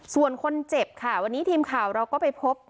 ส่วนคนเจ็บค่ะวันนี้ทีมข่าวเราก็ไปพบ